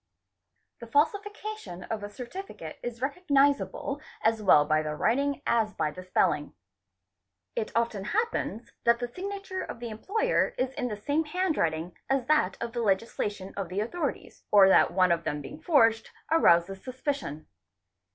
{ The falsification of a certificate 1s recognisable as well by the writing as by the spelling. It often happens that the signature of the employer — is in the same handwriting as that of the' legalisation of the authorities, — or that one of them being forged arouses suspicion.